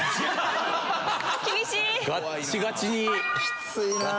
きついなあ。